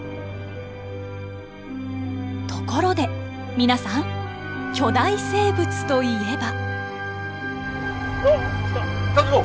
ところで皆さん巨大生物といえば。